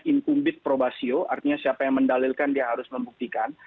artinya siapa yang mendalilkan dia harus membuktikan